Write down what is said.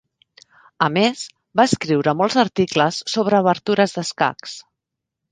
A més, va escriure molts articles sobre obertures d'escacs.